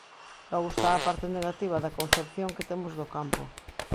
Logo está a parte negativa da concepción que temos do campo.